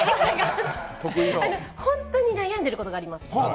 本当に悩んでることがあります。